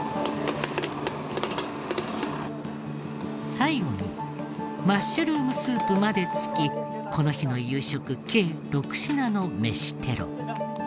最後にマッシュルームスープまで付きこの日の夕食計６品の飯テロ。